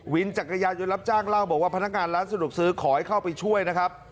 จักรยานยนต์รับจ้างเล่าบอกว่าพนักงานร้านสะดวกซื้อขอให้เข้าไปช่วยนะครับ